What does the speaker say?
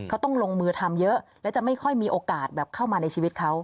เขาต้องลงมือทำเยอะและจะไม่ค่อยมีโอกาสแบบเข้ามาในชีวิตเขา